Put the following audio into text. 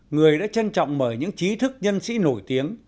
người đã trân trọng mời những trí thức nhân sĩ nổi tiếng